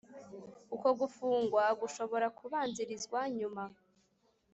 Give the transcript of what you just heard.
Uko gufungwa gushobora kubanzilizwa nyuma